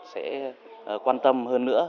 sẽ quan tâm hơn nữa